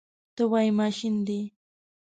ته وایې ماشین دی.